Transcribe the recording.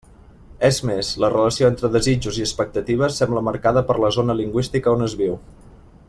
És més, la relació entre desitjos i expectatives sembla marcada per la zona lingüística on es viu.